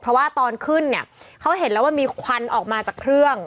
เพราะว่าตอนขึ้นเนี่ยเขาเห็นแล้วว่ามีควันออกมาจากเครื่อง